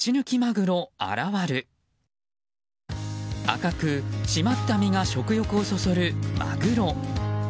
赤く締まった身が食欲をそそるマグロ。